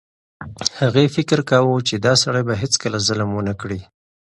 هغې فکر کاوه چې دا سړی به هیڅکله ظلم ونه کړي.